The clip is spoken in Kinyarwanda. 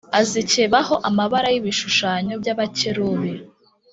Azikebaho amabara y’ibishushanyo by’abakerubi